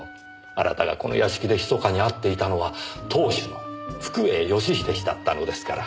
あなたがこの屋敷で密かに会っていたのは当主の福栄義英氏だったのですから。